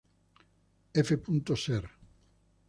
F. Ser.